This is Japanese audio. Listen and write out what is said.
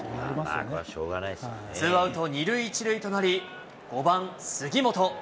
ツーアウト２塁１塁となり、５番杉本。